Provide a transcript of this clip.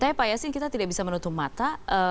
saya pak yasin kita tidak bisa menutup mata